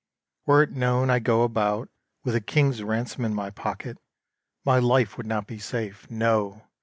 Were it known I go About with a king's ransom in my pocket, My life would not be safe. No!